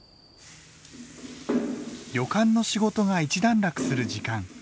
旅館の仕事が一段落する時間。